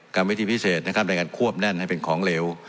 กรรมวิธีพิเศษนะครับในการควบแน่นให้เป็นของเหลว